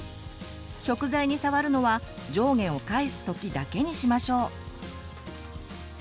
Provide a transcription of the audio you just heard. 食材に触るのは上下を返すときだけにしましょう。